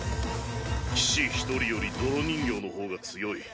騎士一人より泥人形の方が強い。